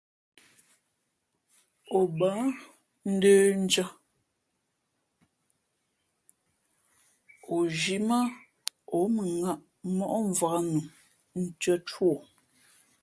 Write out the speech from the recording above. O bα̌ ndə̂ndʉ̄ᾱ, o zhī mά ǒ mʉnŋᾱꞌ móꞌmvǎk nu ntʉ̄ᾱ tú o.